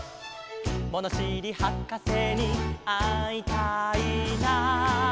「ものしりはかせにあいたいな」